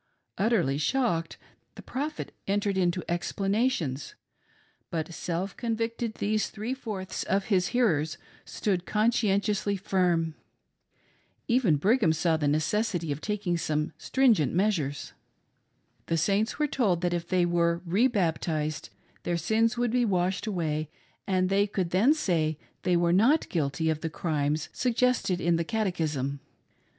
Utterly shocked, the Prophet entered into explanations; but self convicted these three fourths of his hearers stood conscientiously firm. Even Brigham saw the necessity of taking some stringent measures. The Saints were tolcf that if they were re baptized their sins would be washed away and they could then say they were not guilty of the crimes suggested in the catechism.